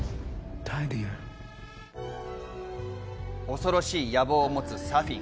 恐ろしい野望を持つサフィン。